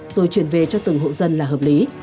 rồi chuyển về cho từng hộ dân là hợp lý